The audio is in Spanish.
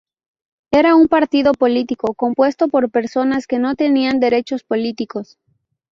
Era un partido político compuesto por personas que no tenían derechos políticos.